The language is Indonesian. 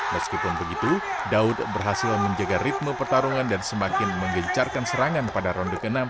meskipun begitu daud berhasil menjaga ritme pertarungan dan semakin menggencarkan serangan pada ronde ke enam